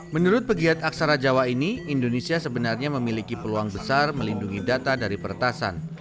menurut pegiat aksara jawa ini indonesia sebenarnya memiliki peluang besar melindungi data dari peretasan